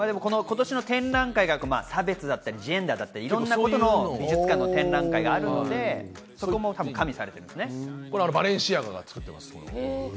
展覧会が差別だったり、ジェンダーだったり、いろんな美術館の展覧会があバレンシアガが作ってます。